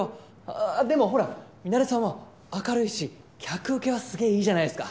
でもほらミナレさんは明るいし客ウケはすげえいいじゃないですか。